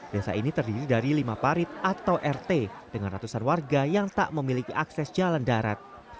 desa ini terdiri dari lima parit atau rt dengan ratusan warga yang tak memiliki akses jalan darat